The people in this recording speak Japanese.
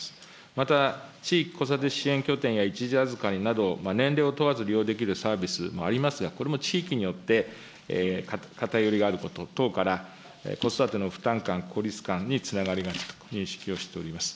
また、地域子育て支援拠点や、一時預かりなど、年齢を問わず利用できるサービスもありますが、これも地域によって、偏りがあること等から、子育ての不安感、孤立感につながると認識をしております。